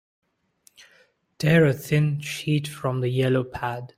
Tear a thin sheet from the yellow pad.